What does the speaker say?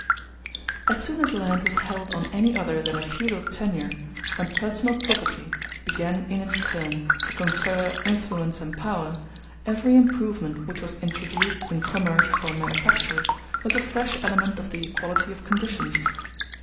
As soon as land was held on any other than a feudal tenure, and personal property began in its turn to confer influence and power, every improvement which was introduced in commerce or manufacture was a fresh element of the equality of conditions.